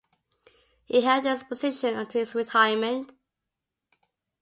He held this position until his retirement.